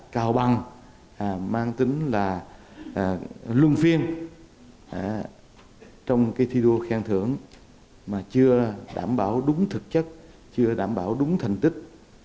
cao bằng mang tính là luân phiên trong thi đua khen thưởng mà chưa đảm bảo đúng thực chất chưa đảm bảo đúng thành tích